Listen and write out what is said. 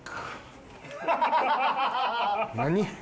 何？